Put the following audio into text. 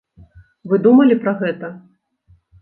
Вы думалі пра гэта?